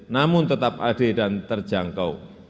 namun tetap adil dan terjangkau